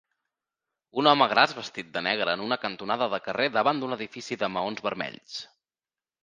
Un home gras vestit de negre en una cantonada de carrer davant d'un edifici de maons vermells.